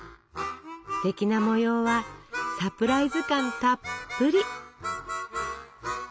ステキな模様はサプライズ感たっぷり！